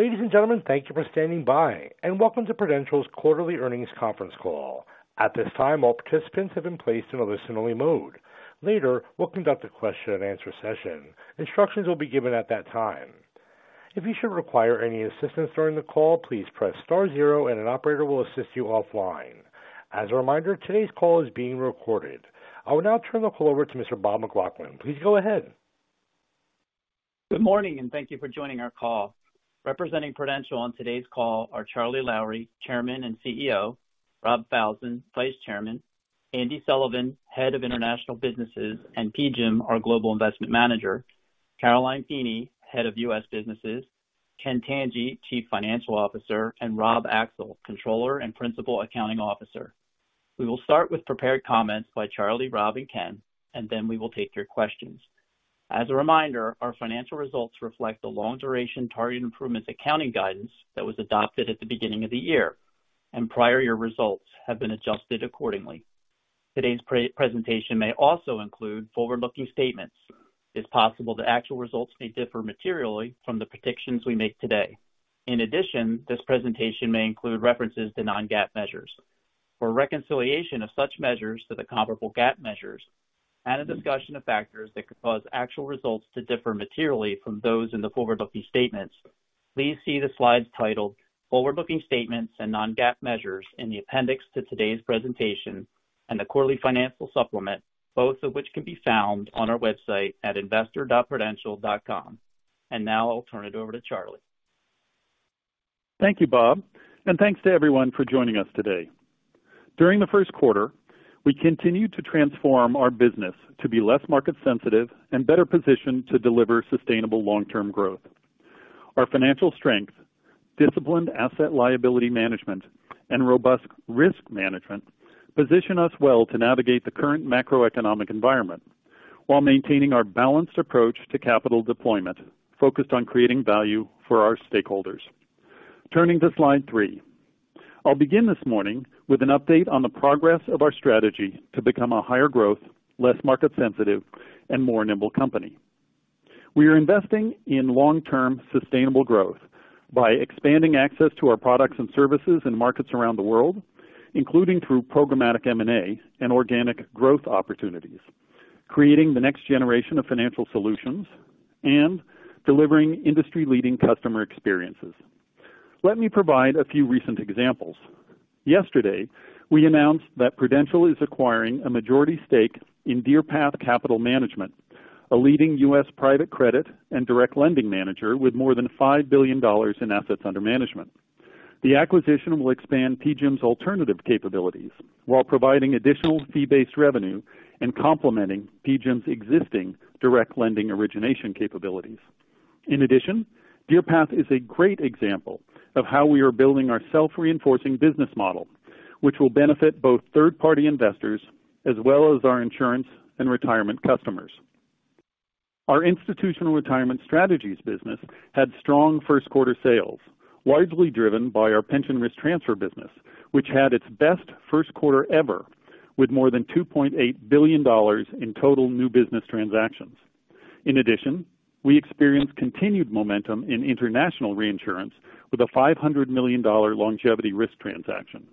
Ladies and gentlemen, thank you for standing by, and welcome to Prudential's quarterly earnings conference call. At this time, all participants have been placed in a listen-only mode. Later, we'll conduct a question-and-answer session. Instructions will be given at that time. If you should require any assistance during the call, please press star zero and an operator will assist you offline. As a reminder, today's call is being recorded. I will now turn the call over to Mr. Bob McLaughlin. Please go ahead. Good morning, and thank you for joining our call. Representing Prudential on today's call are Charlie Lowrey, Chairman and CEO, Rob Falzon, Vice Chairman, Andy Sullivan, Head of International Businesses and PGIM, our global investment manager, Caroline Feeney, Head of U.S. Businesses, Ken Tanji, Chief Financial Officer, and Rob Axel, Controller and Principal Accounting Officer. We will start with prepared comments by Charlie, Rob, and Ken, and then we will take your questions. As a reminder, our financial results reflect the long-duration targeted improvements accounting guidance that was adopted at the beginning of the year, and prior year results have been adjusted accordingly. Today's pre-presentation may also include forward-looking statements. It's possible the actual results may differ materially from the predictions we make today. In addition, this presentation may include references to non-GAAP measures. For reconciliation of such measures to the comparable GAAP measures and a discussion of factors that could cause actual results to differ materially from those in the forward-looking statements, please see the slides titled Forward-Looking Statements and Non-GAAP Measures in the appendix to today's presentation and the quarterly financial supplement, both of which can be found on our website at investor.prudential.com. Now I'll turn it over to Charlie. Thank you, Bob, and thanks to everyone for joining us today. During the first quarter, we continued to transform our business to be less market sensitive and better positioned to deliver sustainable long-term growth. Our financial strength, disciplined asset liability management, and robust risk management position us well to navigate the current macroeconomic environment while maintaining our balanced approach to capital deployment focused on creating value for our stakeholders. Turning to slide three. I'll begin this morning with an update on the progress of our strategy to become a higher growth, less market sensitive, and more nimble company. We are investing in long-term sustainable growth by expanding access to our products and services in markets around the world, including through programmatic M&A and organic growth opportunities, creating the next generation of financial solutions, and delivering industry-leading customer experiences. Let me provide a few recent examples. Yesterday, we announced that Prudential is acquiring a majority stake in Deerpath Capital Management, a leading U.S. private credit and direct lending manager with more than $5 billion in assets under management. The acquisition will expand PGIM's alternative capabilities while providing additional fee-based revenue and complementing PGIM's existing direct lending origination capabilities. In addition, Deerpath is a great example of how we are building our self-reinforcing business model, which will benefit both third-party investors as well as our insurance and retirement customers. Our Institutional Retirement Strategies business had strong first quarter sales, widely driven by our pension risk transfer business, which had its best first quarter ever with more than $2.8 billion in total new business transactions. In addition, we experienced continued momentum in international reinsurance with a $500 million longevity risk transaction.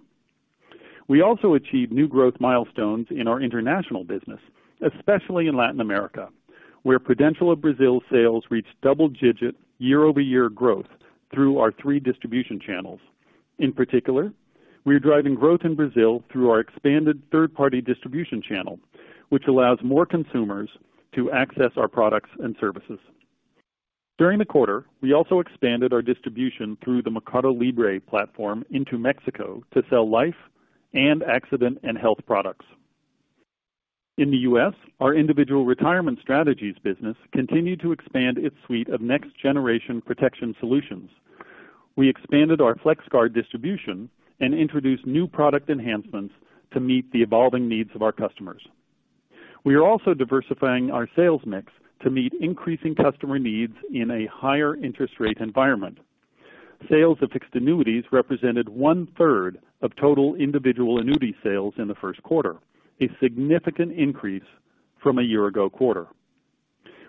We also achieved new growth milestones in our international business, especially in Latin America, where Prudential of Brazil sales reached double-digit year-over-year growth through our three distribution channels. In particular, we are driving growth in Brazil through our expanded third-party distribution channel, which allows more consumers to access our products and services. During the quarter, we also expanded our distribution through the Mercado Libre platform into Mexico to sell life and accident and health products. In the U.S., our Individual Retirement Strategies business continued to expand its suite of next-generation protection solutions. We expanded our FlexGuard distribution and introduced new product enhancements to meet the evolving needs of our customers. We are also diversifying our sales mix to meet increasing customer needs in a higher interest rate environment. Sales of fixed annuities represented 1/3 of total individual annuity sales in the first quarter, a significant increase from a year ago quarter.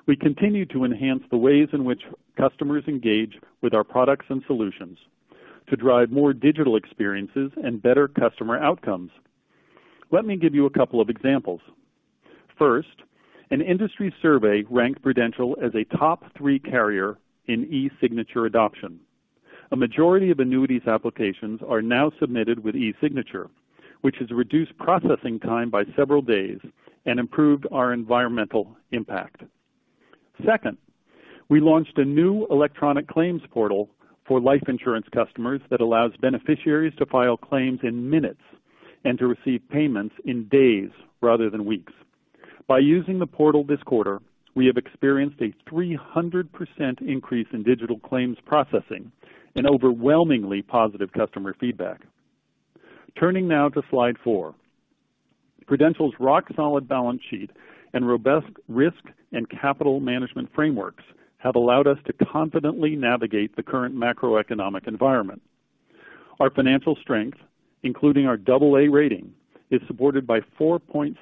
We continue to enhance the ways in which customers engage with our products and solutions to drive more digital experiences and better customer outcomes. Let me give you a couple of examples. First, an industry survey ranked Prudential as a top three carrier in e-signature adoption. A majority of annuities applications are now submitted with e-signature, which has reduced processing time by several days and improved our environmental impact. Second, we launched a new electronic claims portal for life insurance customers that allows beneficiaries to file claims in minutes and to receive payments in days rather than weeks. By using the portal this quarter, we have experienced a 300% increase in digital claims processing and overwhelmingly positive customer feedback. Turning now to slide four. Prudential's rock-solid balance sheet and robust risk and capital management frameworks have allowed us to confidently navigate the current macroeconomic environment. Our financial strength, including our AA rating, is supported by $4.6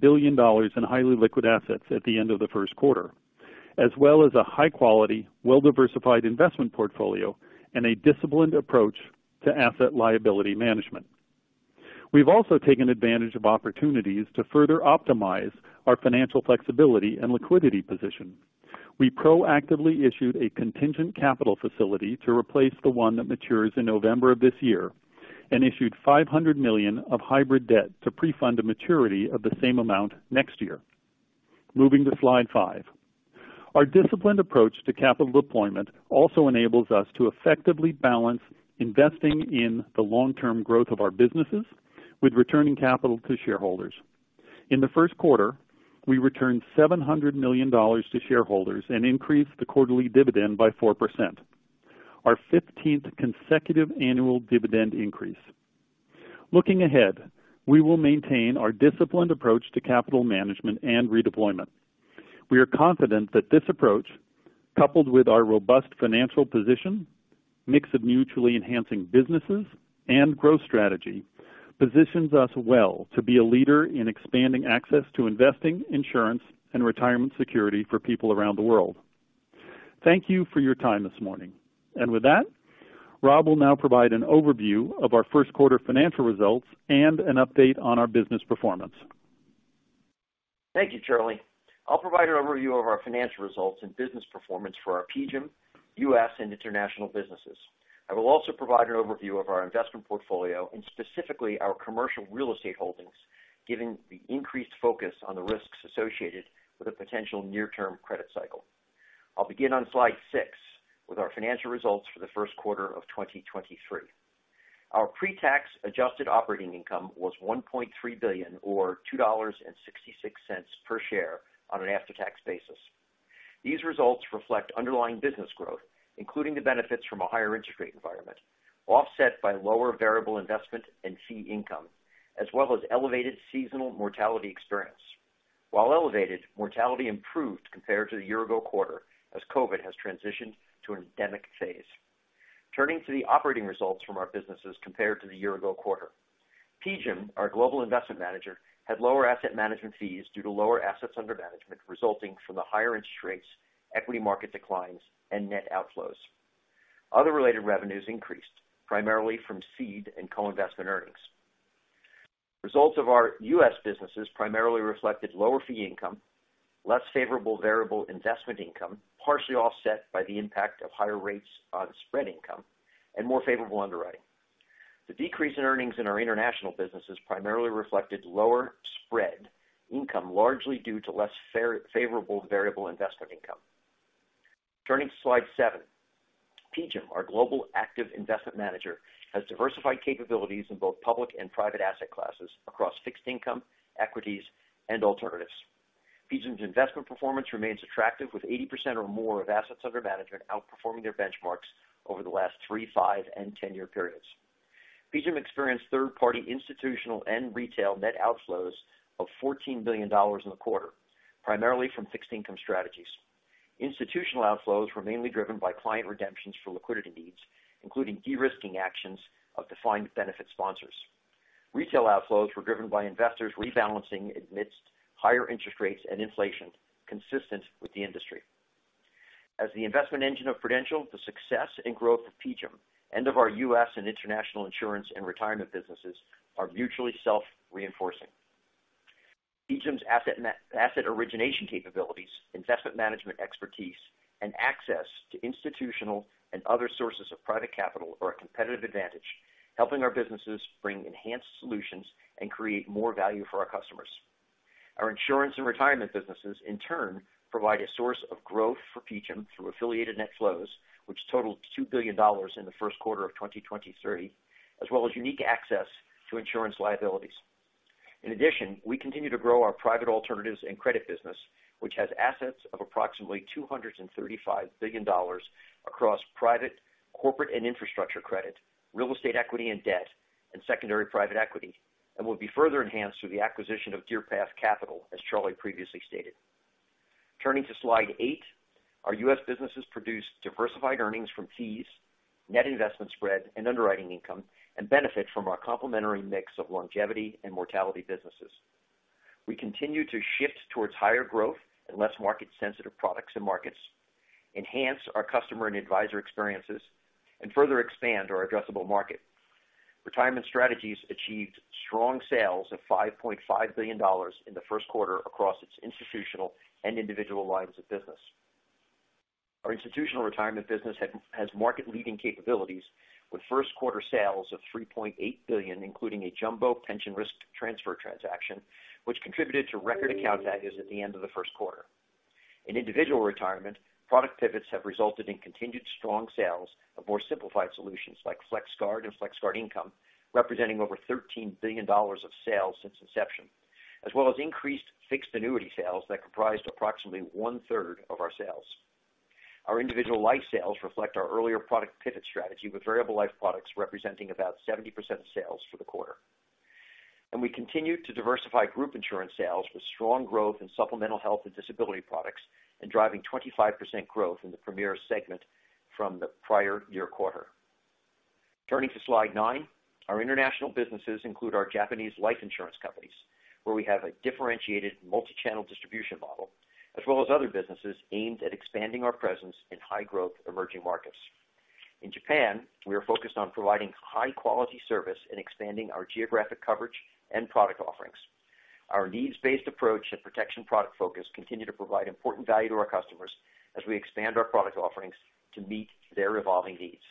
billion in highly liquid assets at the end of the first quarter, as well as a high quality, well-diversified investment portfolio and a disciplined approach to asset liability management. We've also taken advantage of opportunities to further optimize our financial flexibility and liquidity position. We proactively issued a contingent capital facility to replace the one that matures in November of this year and issued $500 million of hybrid debt to pre-fund a maturity of the same amount next year. Moving to slide five. Our disciplined approach to capital deployment also enables us to effectively balance investing in the long-term growth of our businesses with returning capital to shareholders. In the first quarter, we returned $700 million to shareholders and increased the quarterly dividend by 4%, our 15th consecutive annual dividend increase. Looking ahead, we will maintain our disciplined approach to capital management and redeployment. We are confident that this approach, coupled with our robust financial position, mix of mutually enhancing businesses and growth strategy, positions us well to be a leader in expanding access to investing, insurance and retirement security for people around the world. Thank you for your time this morning. With that, Rob will now provide an overview of our first quarter financial results and an update on our business performance. Thank you, Charlie. I'll provide an overview of our financial results and business performance for our PGIM, U.S., and international businesses. I will also provide an overview of our investment portfolio and specifically our commercial real estate holdings, given the increased focus on the risks associated with a potential near-term credit cycle. I'll begin on slide six with our financial results for the first quarter of 2023. Our pre-tax adjusted operating income was $1.3 billion or $2.66 per share on an after-tax basis. These results reflect underlying business growth, including the benefits from a higher interest rate environment, offset by lower variable investment income and fee income, as well as elevated seasonal mortality experience. While elevated, mortality improved compared to the year ago quarter as COVID has transitioned to an endemic phase. Turning to the operating results from our businesses compared to the year ago quarter. PGIM, our global investment manager, had lower asset management fees due to lower assets under management resulting from the higher interest rates, equity market declines, and net outflows. Other related revenues increased primarily from seed and co-investment earnings. Results of our U.S. businesses primarily reflected lower fee income, less favorable variable investment income, partially offset by the impact of higher rates on spread income and more favorable underwriting. The decrease in earnings in our international businesses primarily reflected lower spread income, largely due to less favorable variable investment income. Turning to slide seven. PGIM, our global active investment manager, has diversified capabilities in both public and private asset classes across fixed income, equities, and alternatives. PGIM's investment performance remains attractive with 80% or more of assets under management outperforming their benchmarks over the last three, five, and 10-year periods. PGIM experienced third-party institutional and retail net outflows of $14 billion in the quarter, primarily from Fixed Income Strategies. Institutional outflows were mainly driven by client redemptions for liquidity needs, including de-risking actions of defined benefit sponsors. Retail outflows were driven by investors rebalancing amidst higher interest rates and inflation consistent with the industry. As the investment engine of Prudential, the success and growth of PGIM and of our U.S. and international insurance and retirement businesses are mutually self-reinforcing. PGIM's asset origination capabilities, investment management expertise, and access to institutional and other sources of private capital are a competitive advantage, helping our businesses bring enhanced solutions and create more value for our customers. Our Insurance and Retirement Strategies businesses, in turn, provide a source of growth for PGIM through affiliated net flows, which totaled $2 billion in the first quarter of 2023, as well as unique access to insurance liabilities. We continue to grow our private alternatives and credit business, which has assets of approximately $235 billion across private, corporate, and infrastructure credit, real estate equity and debt, and secondary private equity, and will be further enhanced through the acquisition of Deerpath Capital, as Charlie previously stated. Turning to slide eight. Our U.S. businesses produce diversified earnings from fees, net investment spread, and underwriting income, and benefit from our complementary mix of longevity and mortality businesses. We continue to shift towards higher growth and less market sensitive products and markets, enhance our customer and advisor experiences, and further expand our addressable market. Retirement Strategies achieved strong sales of $5.5 billion in the first quarter across its institutional and individual lines of business. Our institutional retirement business has market-leading capabilities with first quarter sales of $3.8 billion, including a jumbo pension risk transfer transaction, which contributed to record account values at the end of the first quarter. In individual retirement, product pivots have resulted in continued strong sales of more simplified solutions like FlexGuard and FlexGuard Income, representing over $13 billion of sales since inception, as well as increased fixed annuity sales that comprised approximately 1/3 of our sales. Our individual life sales reflect our earlier product pivot strategy, with variable life products representing about 70% of sales for the quarter. We continue to diversify group insurance sales with strong growth in supplemental health and disability products and driving 25% growth in the Premier segment from the prior-year quarter. Turning to slide nine. Our international businesses include our Japanese life insurance companies, where we have a differentiated multi-channel distribution model, as well as other businesses aimed at expanding our presence in high-growth emerging markets. In Japan, we are focused on providing high-quality service and expanding our geographic coverage and product offerings. Our needs-based approach and protection product focus continue to provide important value to our customers as we expand our product offerings to meet their evolving needs.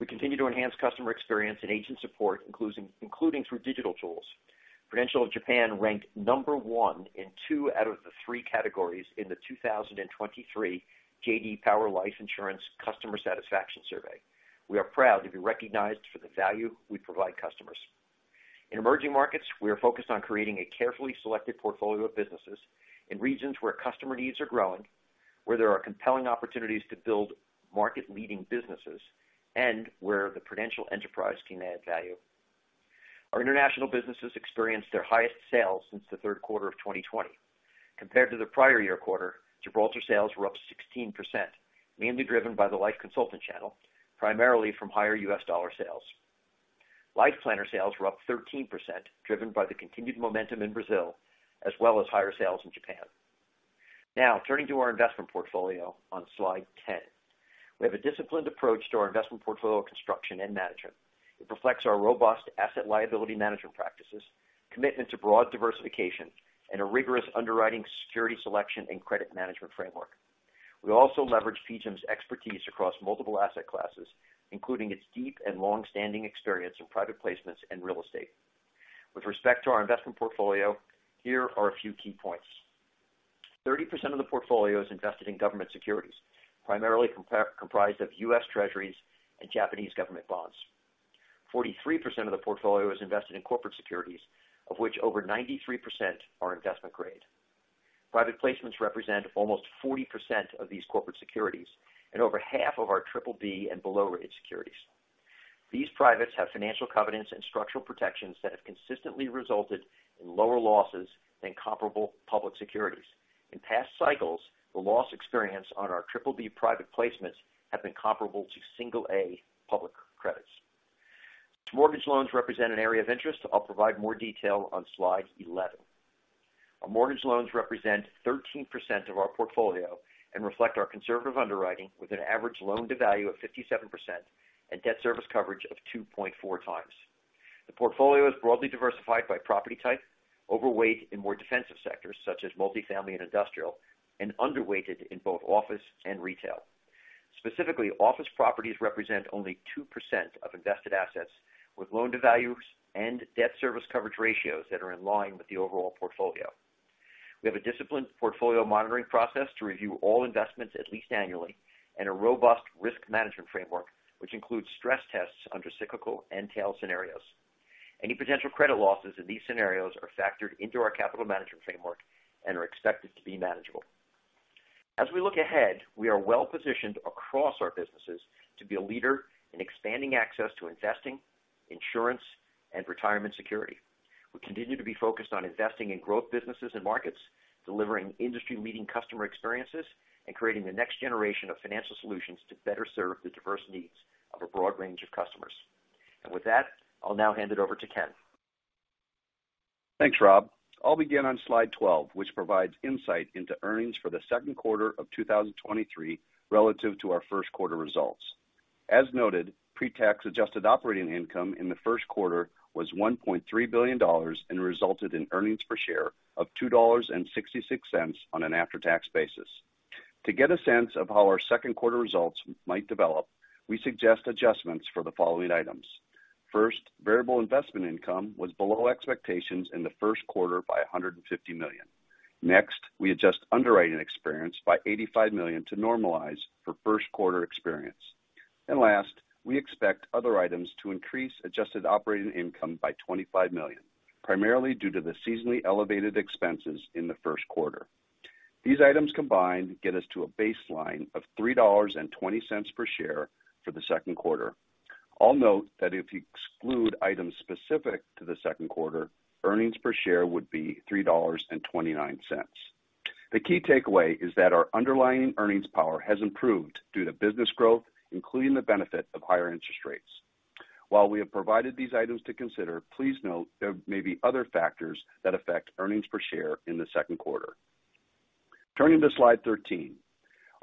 We continue to enhance customer experience and agent support, including through digital tools. Prudential of Japan ranked number one in two out of the three categories in the 2023 J.D. Power Japan Life Insurance Contract Customer Satisfaction Study. We are proud to be recognized for the value we provide customers. In emerging markets, we are focused on creating a carefully selected portfolio of businesses in regions where customer needs are growing, where there are compelling opportunities to build market-leading businesses, and where the Prudential enterprise can add value. Our international businesses experienced their highest sales since the third quarter of 2020. Compared to the prior year quarter, Gibraltar sales were up 16%, mainly driven by the life consultant channel, primarily from higher U.S. dollar sales. Life planner sales were up 13%, driven by the continued momentum in Brazil, as well as higher sales in Japan. Turning to our investment portfolio on slide 10. We have a disciplined approach to our investment portfolio construction and management. It reflects our robust asset liability management practices, commitment to broad diversification, and a rigorous underwriting security selection and credit management framework. We also leverage PGIM's expertise across multiple asset classes, including its deep and long-standing experience in private placements and real estate. With respect to our investment portfolio, here are a few key points. 30% of the portfolio is invested in government securities, primarily comprised of U.S. treasuries and Japanese government bonds. 43% of the portfolio is invested in corporate securities, of which over 93% are investment grade. Private placements represent almost 40% of these corporate securities and over half of our BBB and below-rated securities. These privates have financial covenants and structural protections that have consistently resulted in lower losses than comparable public securities. In past cycles, the loss experience on our BBB private placements have been comparable to single A public credits. Since mortgage loans represent an area of interest, I'll provide more detail on slide 11. Our mortgage loans represent 13% of our portfolio and reflect our conservative underwriting with an average loan-to-value of 57% and debt service coverage of 2.4x. The portfolio is broadly diversified by property type, overweight in more defensive sectors such as multifamily and industrial, and underweighted in both office and retail. Specifically, office properties represent only 2% of invested assets with loan-to-values and debt service coverage ratios that are in line with the overall portfolio. We have a disciplined portfolio monitoring process to review all investments at least annually and a robust risk management framework, which includes stress tests under cyclical and tail scenarios. Any potential credit losses in these scenarios are factored into our capital management framework and are expected to be manageable. As we look ahead, we are well-positioned across our businesses to be a leader in expanding access to investing, insurance, and retirement security. We continue to be focused on investing in growth businesses and markets, delivering industry-leading customer experiences, and creating the next generation of financial solutions to better serve the diverse needs of a broad range of customers. With that, I'll now hand it over to Ken. Thanks, Rob. I'll begin on slide 12, which provides insight into earnings for the second quarter of 2023 relative to our first quarter results. As noted, pre-tax adjusted operating income in the first quarter was $1.3 billion and resulted in earnings per share of $2.66 on an after-tax basis. To get a sense of how our second quarter results might develop, we suggest adjustments for the following items. First, variable investment income was below expectations in the first quarter by $150 million. Next, we adjust underwriting experience by $85 million to normalize for first quarter experience. Last, we expect other items to increase adjusted operating income by $25 million, primarily due to the seasonally elevated expenses in the first quarter. These items combined get us to a baseline of $3.20 per share for the second quarter. I'll note that if you exclude items specific to the second quarter, earnings per share would be $3.29. The key takeaway is that our underlying earnings power has improved due to business growth, including the benefit of higher interest rates. While we have provided these items to consider, please note there may be other factors that affect earnings per share in the second quarter. Turning to slide 13.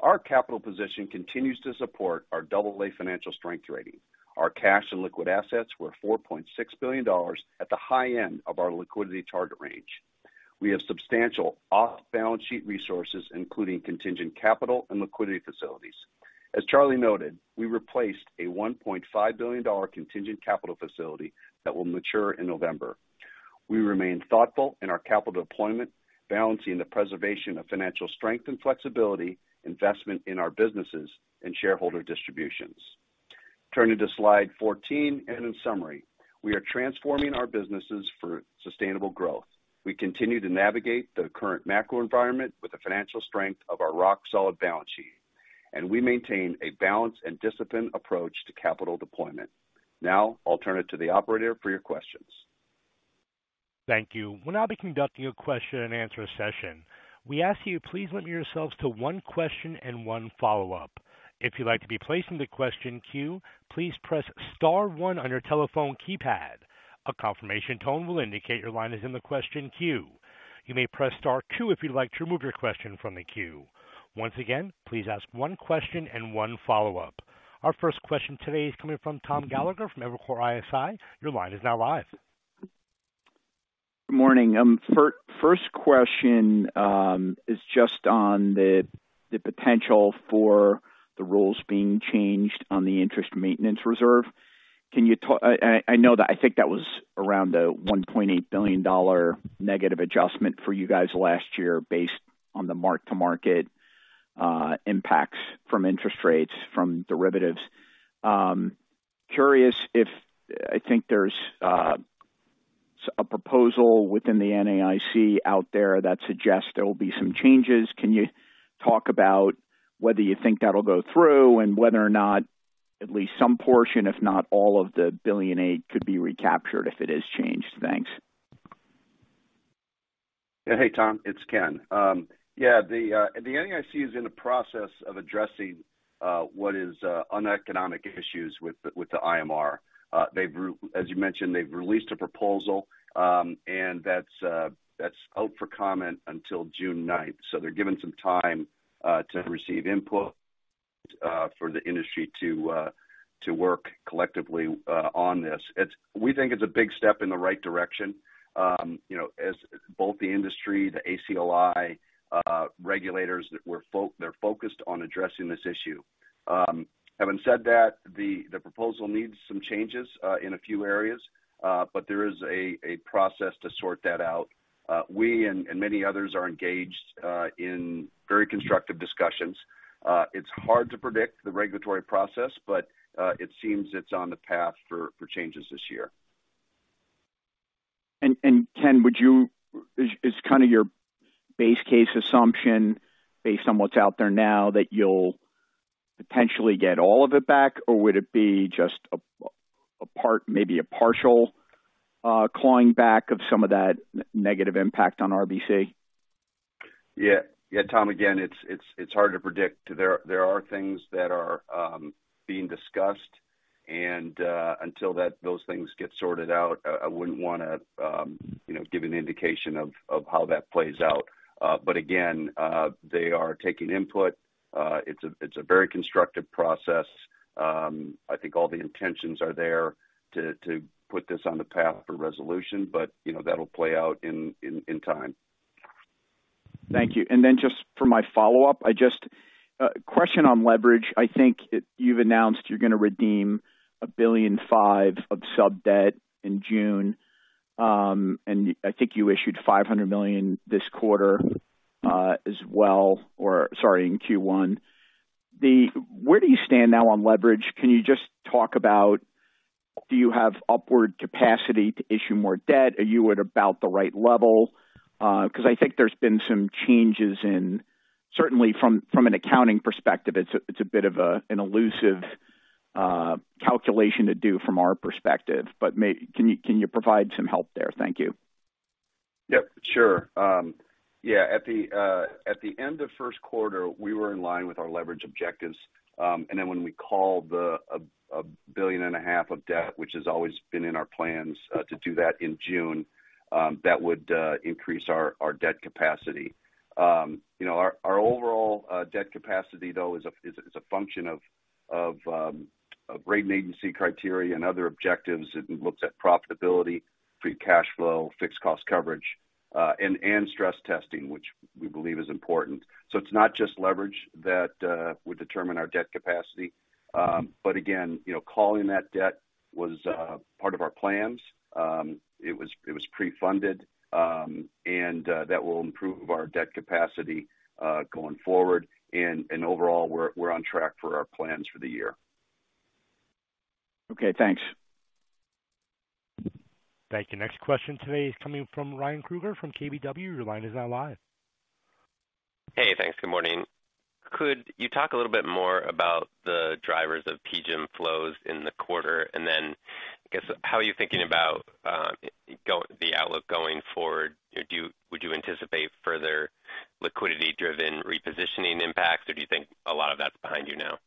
Our capital position continues to support our AA financial strength rating. Our cash and liquid assets were $4.6 billion, at the high end of our liquidity target range. We have substantial off-balance sheet resources, including contingent capital and liquidity facilities. As Charlie noted, we replaced a $1.5 billion contingent capital facility that will mature in November. We remain thoughtful in our capital deployment, balancing the preservation of financial strength and flexibility, investment in our businesses, and shareholder distributions. Turning to slide 14, in summary, we are transforming our businesses for sustainable growth. We continue to navigate the current macro environment with the financial strength of our rock-solid balance sheet. We maintain a balanced and disciplined approach to capital deployment. Now I'll turn it to the operator for your questions. Thank you. We'll now be conducting a question-and-answer session. We ask you to please limit yourselves to one question and one follow-up. If you'd like to be placed in the question queue, please press star one on your telephone keypad. A confirmation tone will indicate your line is in the question queue. You may press star two if you'd like to remove your question from the queue. Once again, please ask one question and one follow-up. Our first question today is coming from Tom Gallagher from Evercore ISI. Your line is now live. Good morning. First question is just on the potential for the rules being changed on the interest maintenance reserve. Can you talk? I know that I think that was around the $1.8 billion negative adjustment for you guys last year based on the mark-to-market impacts from interest rates from derivatives. Curious if. I think there's a proposal within the NAIC out there that suggests there will be some changes. Can you talk about whether you think that'll go through and whether or not at least some portion, if not all of the billion aid could be recaptured if it is changed? Thanks. Hey, Tom, it's Ken. Yeah, the NAIC is in the process of addressing what is uneconomic issues with the IMR. They've, as you mentioned, released a proposal, and that's out for comment until June 9th. They're given some time to receive input for the industry to work collectively on this. We think it's a big step in the right direction. You know, as both the industry, the ACLI, regulators, they're focused on addressing this issue. Having said that, the proposal needs some changes in a few areas, but there is a process to sort that out. We and many others are engaged in very constructive discussions. It's hard to predict the regulatory process, but it seems it's on the path for changes this year. Ken, Is kind of your base case assumption based on what's out there now that you'll potentially get all of it back? Or would it be just a part, maybe a partial, clawing back of some of that negative impact on RBC? Yeah. Yeah, Tom, again, it's hard to predict. There are things that are being discussed, and until those things get sorted out, I wouldn't wanna, you know, give an indication of how that plays out. Again, they are taking input. It's a very constructive process. I think all the intentions are there to put this on the path for resolution, but, you know, that'll play out in time. Thank you. Just for my follow-up, question on leverage. I think you've announced you're gonna redeem $1.5 billion of subdebt in June. I think you issued $500 million this quarter as well or sorry, in Q1. Where do you stand now on leverage? Can you just talk about do you have upward capacity to issue more debt? Are you at about the right level? Because I think there's been some changes in certainly from an accounting perspective, it's a bit of an elusive calculation to do from our perspective. Can you provide some help there? Thank you. Yep, sure. Yeah, at the end of first quarter, we were in line with our leverage objectives. When we called the $1.5 billion of debt, which has always been in our plans to do that in June, that would increase our debt capacity. You know, our overall debt capacity, though, is a function of rating agency criteria and other objectives. It looks at profitability, free cash flow, fixed cost coverage, and stress testing, which we believe is important. It's not just leverage that would determine our debt capacity. Again, you know, calling that debt was part of our plans. It was pre-funded. That will improve our debt capacity going forward. Overall, we're on track for our plans for the year. Okay, thanks. Thank you. Next question today is coming from Ryan Krueger from KBW. Your line is now live. Hey, thanks. Good morning. Could you talk a little bit more about the drivers of PGIM flows in the quarter? I guess, how are you thinking about the outlook going forward? Would you anticipate further liquidity-driven repositioning impacts, or do you think a lot of that's behind you now?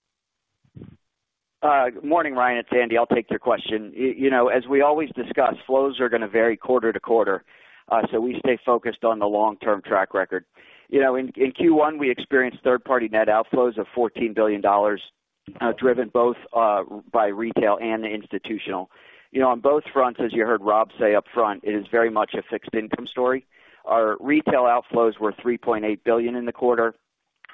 Good morning, Ryan. It's Andy. I'll take your question. You know, as we always discuss, flows are gonna vary quarter to quarter, so we stay focused on the long-term track record. You know, in Q1, we experienced third-party net outflows of $14 billion, driven both by retail and institutional. You know, on both fronts, as you heard Rob say up front, it is very much a fixed income story. Our retail outflows were $3.8 billion in the quarter.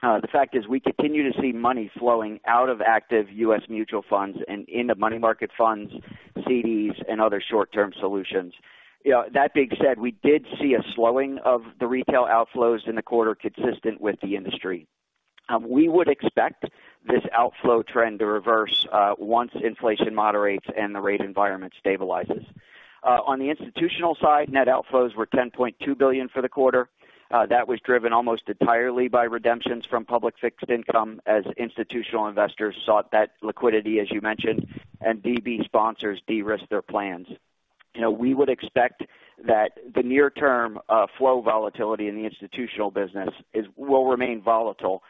The fact is we continue to see money flowing out of active U.S. mutual funds and into money market funds, CDs, and other short-term solutions. You know, that being said, we did see a slowing of the retail outflows in the quarter consistent with the industry. We would expect this outflow trend to reverse, once inflation moderates and the rate environment stabilizes. On the institutional side, net outflows were $10.2 billion for the quarter. That was driven almost entirely by redemptions from public fixed income as institutional investors sought that liquidity, as you mentioned, and DB sponsors de-risk their plans. You know, we would expect that the near-term flow volatility in the institutional business will remain volatile,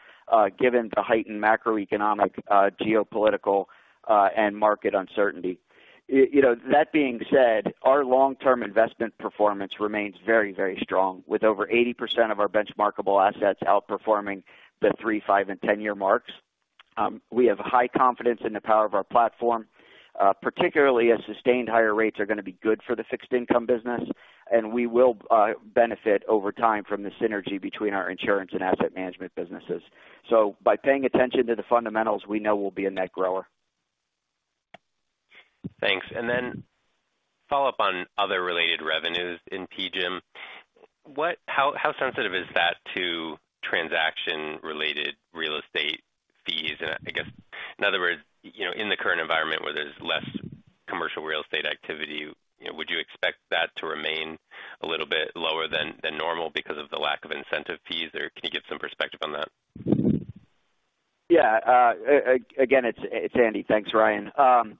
given the heightened macroeconomic, geopolitical, and market uncertainty. You know, that being said, our long-term investment performance remains very, very strong, with over 80% of our benchmarkable assets outperforming the three, five, and 10-year marks. We have high confidence in the power of our platform, particularly as sustained higher rates are going to be good for the fixed income business, and we will benefit over time from the synergy between our insurance and asset management businesses. By paying attention to the fundamentals, we know we'll be a net grower. Thanks. Then follow up on other related revenues in PGIM. How sensitive is that to transaction-related real estate fees? I guess, in other words, you know, in the current environment where there's less commercial real estate activity, you know, would you expect that to remain a little bit lower than normal because of the lack of incentive fees? Can you give some perspective on that? Yeah. Again, it's Andy. Thanks, Ryan. You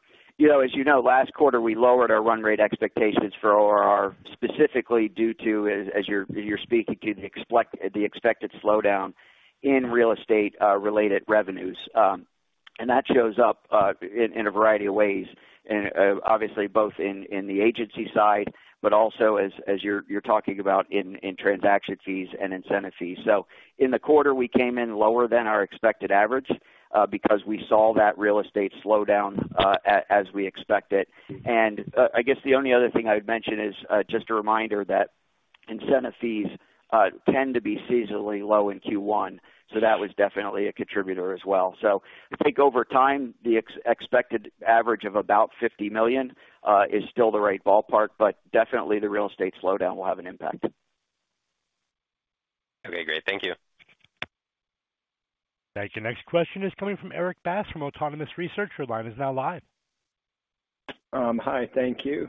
know, as you know, last quarter we lowered our run rate expectations for RR specifically due to as you're speaking to the expected slowdown in real estate related revenues. That shows up in a variety of ways. Obviously both in the agency side, but also as you're talking about in transaction fees and incentive fees. In the quarter, we came in lower than our expected average because we saw that real estate slowdown as we expected. I guess the only other thing I would mention is just a reminder that incentive fees tend to be seasonally low in Q1. That was definitely a contributor as well. I think over time, the expected average of about $50 million is still the right ballpark, but definitely the real estate slowdown will have an impact. Okay, great. Thank you. Thank you. Next question is coming from Erik Bass from Autonomous Research. Your line is now live. Hi, thank you.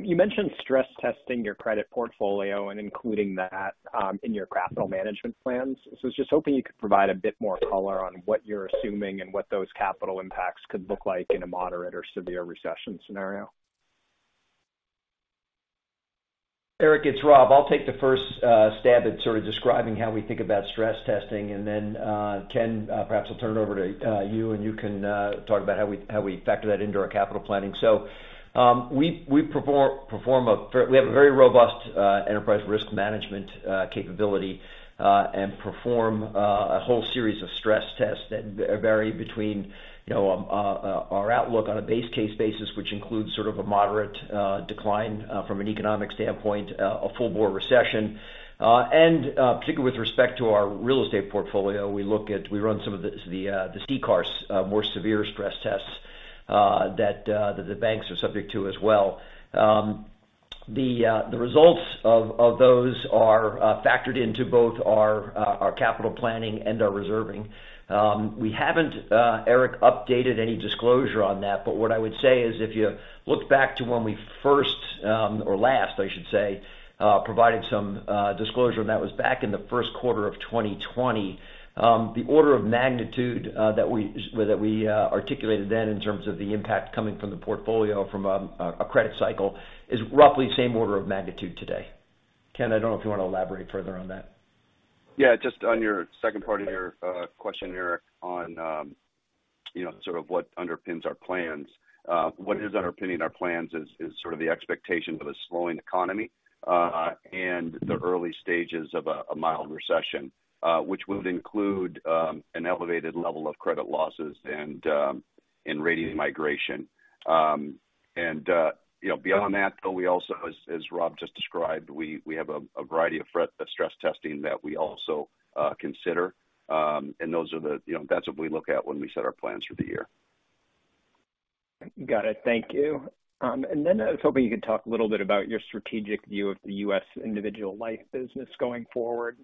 You mentioned stress testing your credit portfolio and including that in your capital management plans. I was just hoping you could provide a bit more color on what you're assuming and what those capital impacts could look like in a moderate or severe recession scenario? Erik, it's Rob. I'll take the first stab at sort of describing how we think about stress testing, and then Ken, perhaps I'll turn it over to you, and you can talk about how we factor that into our capital planning. We have a very robust enterprise risk management capability, and perform a whole series of stress tests that vary between, you know, our outlook on a base case basis, which includes sort of a moderate decline from an economic standpoint, a full-blown recession. Particularly with respect to our real estate portfolio, we run some of the [CCARs] more severe stress tests that the banks are subject to as well. The results of those are factored into both our capital planning and our reserving. We haven't, Erik, updated any disclosure on that, but what I would say is if you look back to when we first, or last, I should say, provided some disclosure, and that was back in the first quarter of 2020, the order of magnitude that we articulated then in terms of the impact coming from the portfolio from a credit cycle is roughly the same order of magnitude today. Ken, I don't know if you want to elaborate further on that? Yeah, just on your second part of your question, Eric, on, you know, sort of what underpins our plans. What is underpinning our plans is sort of the expectation of a slowing economy and the early stages of a mild recession, which would include an elevated level of credit losses and rating migration. You know, beyond that, though, we also as Rob just described, we have a variety of stress testing that we also consider. Those are the, you know, that's what we look at when we set our plans for the year. Got it. Thank you. I was hoping you could talk a little bit about your strategic view of the U.S. individual life business going forward.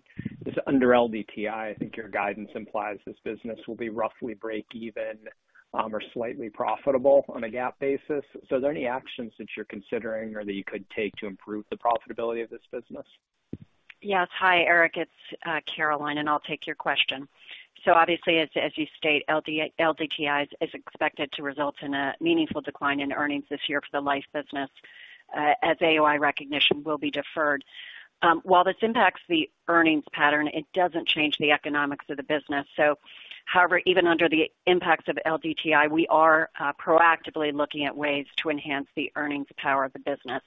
This under LDTI, I think your guidance implies this business will be roughly breakeven, or slightly profitable on a GAAP basis. Are there any actions that you're considering or that you could take to improve the profitability of this business? Yes. Hi, Erik, it's Caroline, and I'll take your question. Obviously, as you state, LDTI is expected to result in a meaningful decline in earnings this year for the life business, as AOY recognition will be deferred. While this impacts the earnings pattern, it doesn't change the economics of the business. However, even under the impacts of LDTI, we are proactively looking at ways to enhance the earnings power of the business.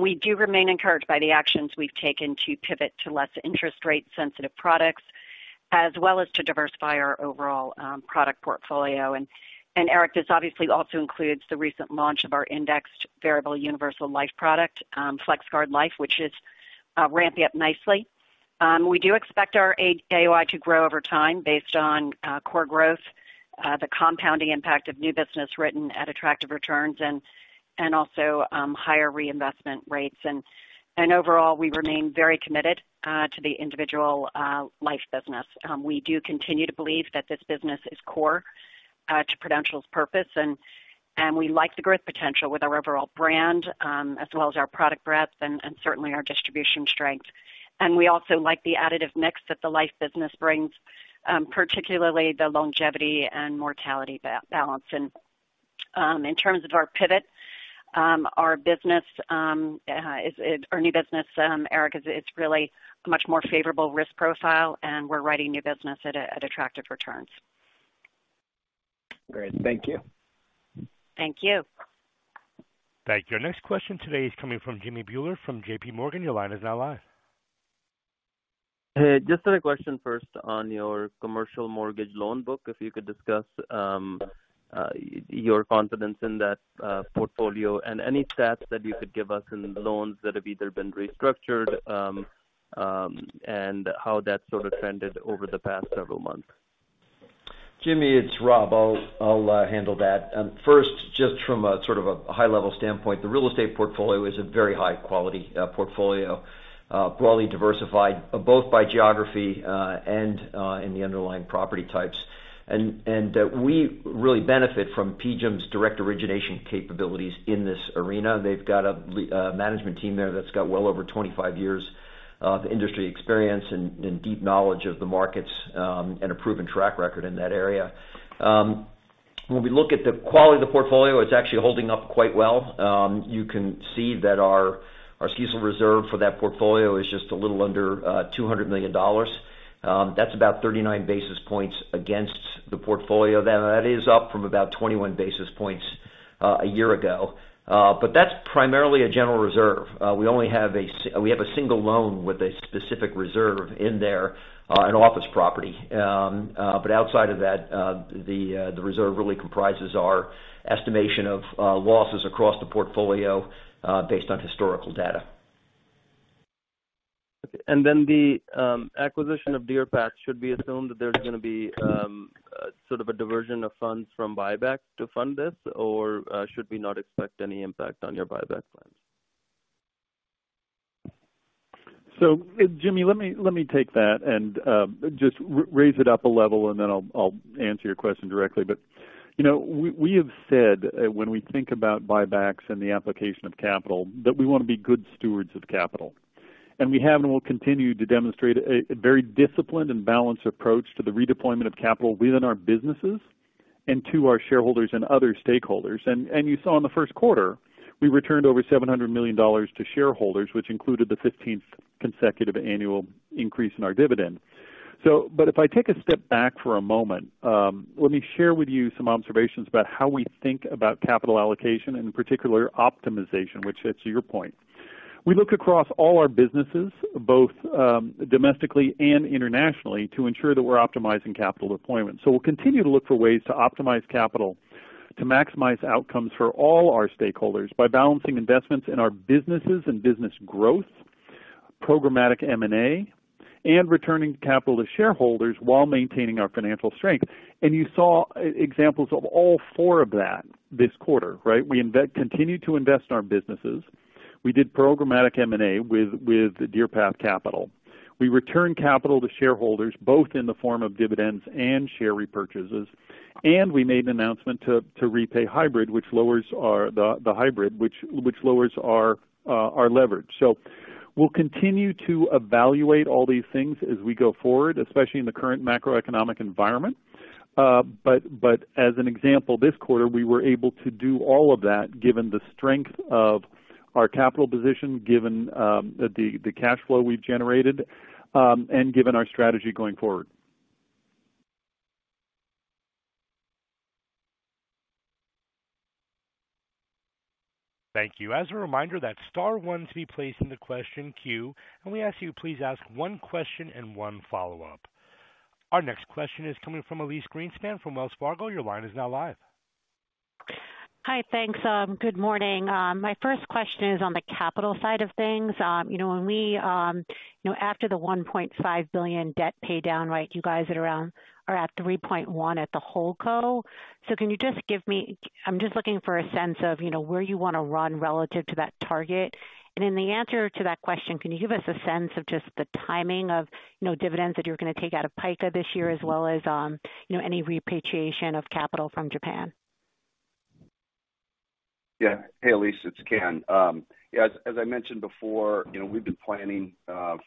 We do remain encouraged by the actions we've taken to pivot to less interest rate sensitive products, as well as to diversify our overall product portfolio. Erik, this obviously also includes the recent launch of our indexed variable universal life product, FlexGuard Life, which is ramping up nicely. We do expect our AOY to grow over time based on core growth, the compounding impact of new business written at attractive returns and also, higher reinvestment rates. Overall, we remain very committed to the individual life business. We do continue to believe that this business is core to Prudential's purpose. We like the growth potential with our overall brand, as well as our product breadth and certainly our distribution strength. We also like the additive mix that the life business brings, particularly the longevity and mortality balance. In terms of our pivot, our business, our new business, Erik, is it's really a much more favorable risk profile, and we're writing new business at attractive returns. Great. Thank you. Thank you. Thank you. Next question today is coming from Jimmy Bhullar from JPMorgan, your line is now live. Just a question first on your commercial mortgage loan book, if you could discuss your confidence in that portfolio and any stats that you could give us in loans that have either been restructured and how that sort of trended over the past several months. Jimmy, it's Rob. I'll handle that. First, just from a sort of a high level standpoint, the real estate portfolio is a very high quality portfolio, broadly diversified both by geography and in the underlying property types. We really benefit from PGIM's direct origination capabilities in this arena. They've got a management team there that's got well over 25 years of industry experience and deep knowledge of the markets, and a proven track record in that area. When we look at the quality of the portfolio, it's actually holding up quite well. You can see that our seasoning reserve for that portfolio is just a little under $200 million. That's about 39 basis points against the portfolio. That is up from about 21 basis points a year ago. That's primarily a general reserve. We only have a single loan with a specific reserve in there, an office property. Outside of that, the reserve really comprises our estimation of losses across the portfolio based on historical data. Okay. The acquisition of Deerpath should be assumed that there's gonna be sort of a diversion of funds from buyback to fund this, or should we not expect any impact on your buyback plans? Jimmy, let me take that and just raise it up a level, and then I'll answer your question directly. You know, we have said when we think about buybacks and the application of capital, that we want to be good stewards of capital. We have and will continue to demonstrate a very disciplined and balanced approach to the redeployment of capital within our businesses and to our shareholders and other stakeholders. You saw in the first quarter, we returned over $700 million to shareholders, which included the 15th consecutive annual increase in our dividend. If I take a step back for a moment, let me share with you some observations about how we think about capital allocation and in particular, optimization, which hits your point. We look across all our businesses, both domestically and internationally, to ensure that we're optimizing capital deployment. We'll continue to look for ways to optimize capital to maximize outcomes for all our stakeholders by balancing investments in our businesses and business growth, programmatic M&A, and returning capital to shareholders while maintaining our financial strength. You saw examples of all four of that this quarter, right? We continue to invest in our businesses. We did programmatic M&A with Deerpath Capital. We returned capital to shareholders, both in the form of dividends and share repurchases. We made an announcement to repay hybrid, the hybrid, which lowers our leverage. We'll continue to evaluate all these things as we go forward, especially in the current macroeconomic environment. As an example, this quarter, we were able to do all of that given the strength of our capital position, given the cash flow we've generated, and given our strategy going forward. Thank you. As a reminder, that's star one to be placed in the question queue. We ask you please ask one question and one follow-up. Our next question is coming from Elyse Greenspan from Wells Fargo. Your line is now live. Hi. Thanks. Good morning. My first question is on the capital side of things. You know, when we, you know, after the $1.5 billion debt pay down, right, you guys are around, are at $3.1 at the Holdco. Can you just give me, I'm just looking for a sense of, you know, where you wanna run relative to that target? In the answer to that question, can you give us a sense of just the timing of, you know, dividends that you're going to take out of PICA this year, as well as, you know, any repatriation of capital from Japan? Yeah. Hey, Elyse, it's Ken. Yeah, as I mentioned before, you know, we've been planning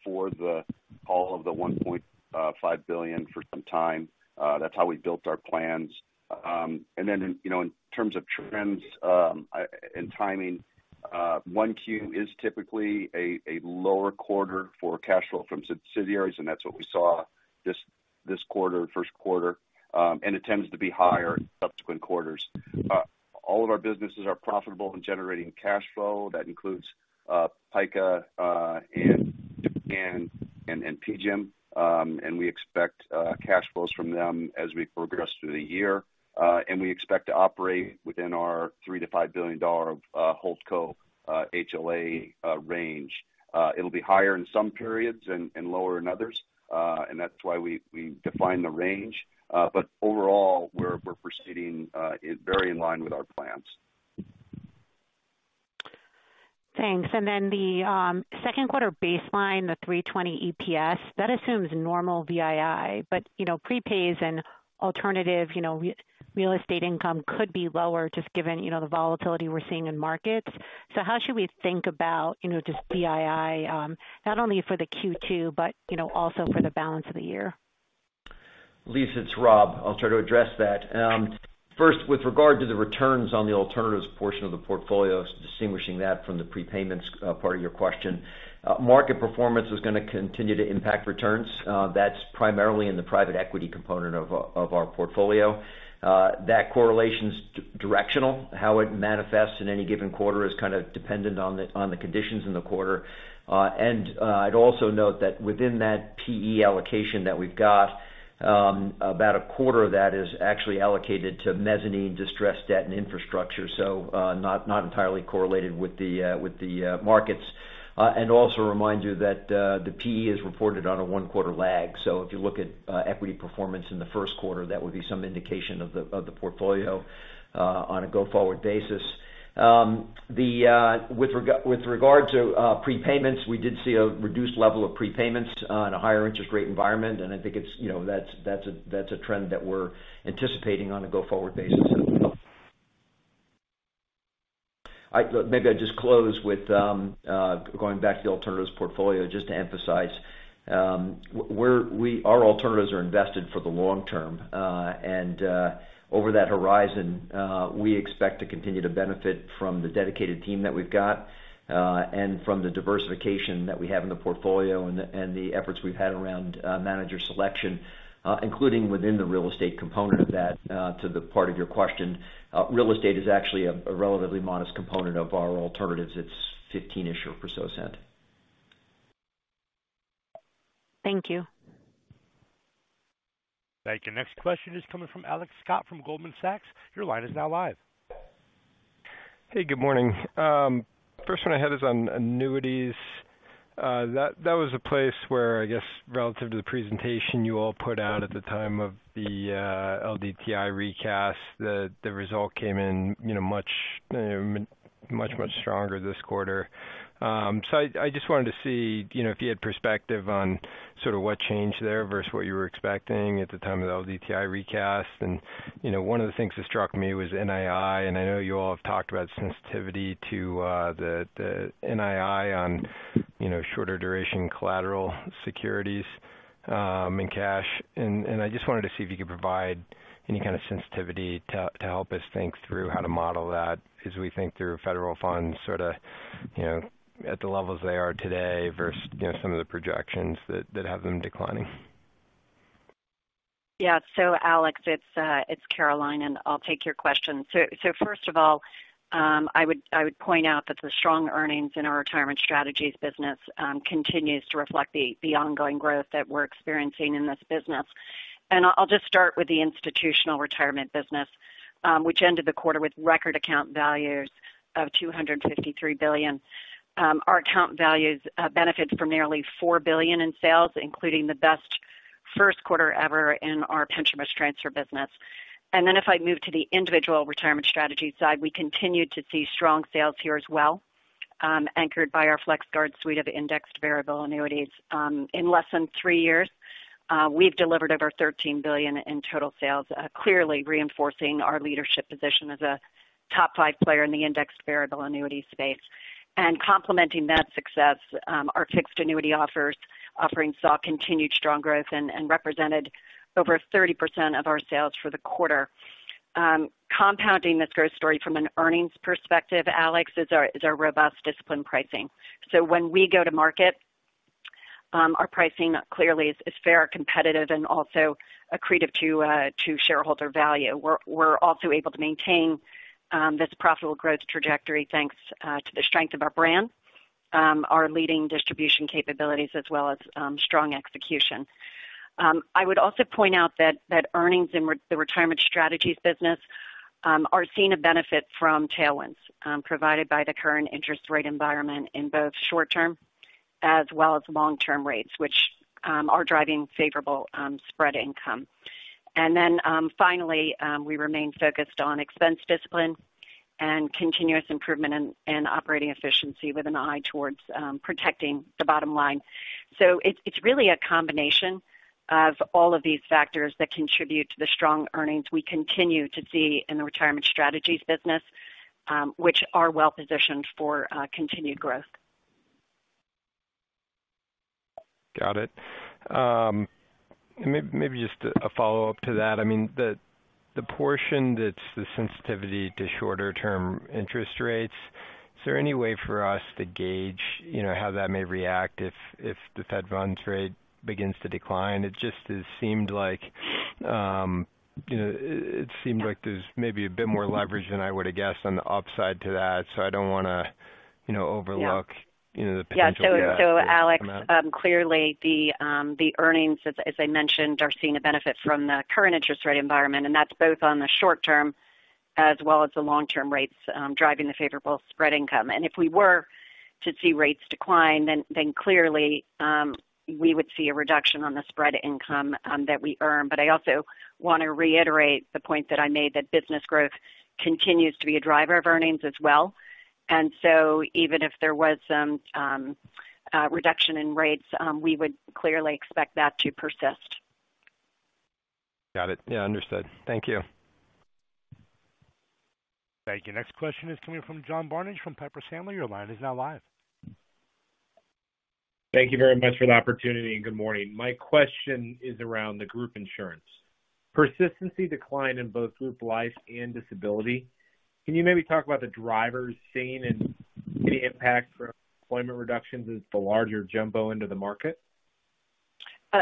for the call of the $1.5 billion for some time. That's how we built our plans. You know, in terms of trends, and timing, 1Q is typically a lower quarter for cash flow from subsidiaries, and that's what we saw this quarter, first quarter. It tends to be higher in subsequent quarters. All of our businesses are profitable in generating cash flow. That includes PICA, and Japan and PGIM. We expect cash flows from them as we progress through the year. We expect to operate within our $3 billion-$5 billion Holdco HLA range. It'll be higher in some periods and lower in others, and that's why we define the range. Overall, we're proceeding very in line with our plans. Thanks. Then the second quarter baseline, the $3.20 EPS, that assumes normal VII. You know, prepays and alternative, you know, real estate income could be lower just given, you know, the volatility we're seeing in markets. How should we think about, you know, just VII, not only for the Q2 but, you know, also for the balance of the year? Elyse, it's Rob. I'll try to address that. First, with regard to the returns on the alternatives portion of the portfolio, distinguishing that from the prepayments, part of your question, market performance is gonna continue to impact returns. That's primarily in the private equity component of our portfolio. That correlation's directional. How it manifests in any given quarter is kind of dependent on the conditions in the quarter. I'd also note that within that PE allocation that we've got, about a quarter of that is actually allocated to mezzanine distressed debt and infrastructure. Not entirely correlated with the markets. Also remind you that the PE is reported on a one-quarter lag. If you look at equity performance in the first quarter, that would be some indication of the portfolio on a go-forward basis. With regard to prepayments, we did see a reduced level of prepayments in a higher interest rate environment, and I think it's, you know, that's a trend that we're anticipating on a go-forward basis as well. Maybe I just close with going back to the alternatives portfolio just to emphasize, our alternatives are invested for the long term. Over that horizon, we expect to continue to benefit from the dedicated team that we've got and from the diversification that we have in the portfolio and the efforts we've had around manager selection, including within the real estate component of that, to the part of your question. Real estate is actually a relatively modest component of our alternatives. It's 15-ish or so percent. Thank you. Thank you. Next question is coming from Alex Scott from Goldman Sachs. Your line is now live. Good morning. First one I had is on annuities. That was a place where I guess relative to the presentation you all put out at the time of the LDTI recast, the result came in, you know, much stronger this quarter. I just wanted to see, you know, if you had perspective on sort of what changed there versus what you were expecting at the time of the LDTI recast. You know, one of the things that struck me was NII, and I know you all have talked about sensitivity to the NII on, you know, shorter duration collateral securities in cash. I just wanted to see if you could provide any kind of sensitivity to help us think through how to model that as we think through federal funds, sort of, you know, at the levels they are today versus, you know, some of the projections that have them declining. Yeah. Alex, it's Caroline, and I'll take your question. First of all, I would point out that the strong earnings in our Retirement Strategies business continues to reflect the ongoing growth that we're experiencing in this business. I'll just start with the Institutional Retirement business, which ended the quarter with record account values of $253 billion. Our account values benefited from nearly $4 billion in sales, including the best first quarter ever in our pension risk transfer business. If I move to the Individual Retirement Strategies side, we continued to see strong sales here as well, anchored by our FlexGuard suite of indexed variable annuities. In less than three years, we've delivered over $13 billion in total sales, clearly reinforcing our leadership position as a top five player in the indexed variable annuity space. Complementing that success, our fixed annuity offerings saw continued strong growth and represented over 30% of our sales for the quarter. Compounding this growth story from an earnings perspective, Alex, is our robust disciplined pricing. When we go to market, our pricing clearly is fair, competitive, and also accretive to shareholder value. We're also able to maintain this profitable growth trajectory, thanks to the strength of our brand, our leading distribution capabilities as well as strong execution. I would also point out that earnings in the Retirement Strategies business are seeing a benefit from tailwinds provided by the current interest rate environment in both short term as well as long-term rates, which are driving favorable spread income. Then, finally, we remain focused on expense discipline and continuous improvement in operating efficiency with an eye towards protecting the bottom line. It's really a combination of all of these factors that contribute to the strong earnings we continue to see in the Retirement Strategies business, which are well positioned for continued growth. Got it. Maybe just a follow-up to that. I mean, the portion that's the sensitivity to shorter term interest rates, is there any way for us to gauge, you know, how that may react if the fed funds rate begins to decline? It just, it seemed like, you know, it seemed like there's maybe a bit more leverage than I would've guessed on the upside to that, so I don't wanna, you know, overlook... Yeah. You know, the potential for that to come out. Alex, clearly the earnings as I mentioned, are seeing a benefit from the current interest rate environment, and that's both on the short term as well as the long-term rates, driving the favorable spread income. If we were to see rates decline, then clearly, we would see a reduction on the spread income, that we earn. I also want to reiterate the point that I made that business growth continues to be a driver of earnings as well. Even if there was, a reduction in rates, we would clearly expect that to persist. Got it. Yeah, understood. Thank you. Thank you. Next question is coming from John Barnidge from Piper Sandler. Your line is now live. Thank you very much for the opportunity, and good morning. My question is around the group insurance. Persistency declined in both group life and disability. Can you maybe talk about the drivers seen and any impact from employment reductions as the larger jumbo into the market?